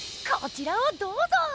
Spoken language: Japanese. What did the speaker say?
こちらをどうぞ！